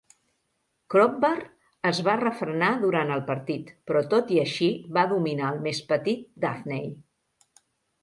Crowbar es va refrenar durant el partit, però tot i així va dominar el més petit Daffney.